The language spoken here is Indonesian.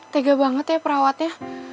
tega banget ya perawatnya